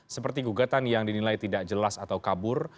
seperti gugatan yang dinilai tidak jelas atau kabur